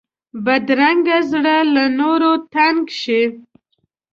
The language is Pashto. بدرنګه زړه له نورو تنګ شي